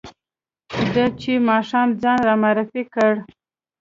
ده چې ماښام ځان را معرفي کړ.